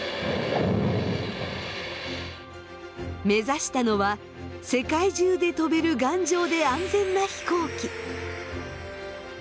目指したのは世界中で飛べる頑丈で安全な飛行機。